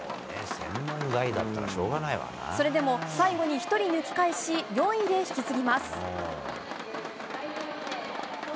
それでも最後に１人抜き返し４位で引き継ぎます。